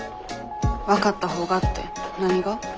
分かったほうがって何が？